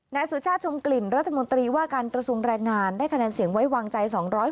นายสุชาติชมกลิ่นรัฐมนตรีว่าการกระทรวงแรงงานได้คะแนนเสียงไว้วางใจ๒๖